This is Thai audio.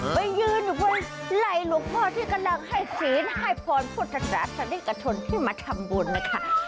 ไปยืนอยู่บนไหล่หลวงพ่อที่กำลังให้ศีลให้พรพุทธศาสนิกชนที่มาทำบุญนะคะ